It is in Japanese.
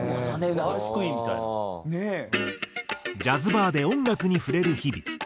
ジャズバーで音楽に触れる日々。